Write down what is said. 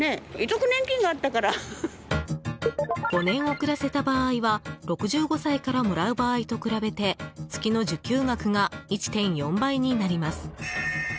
５年遅らせた場合は６５歳からもらう場合と比べて月の受給額が１．４倍になります。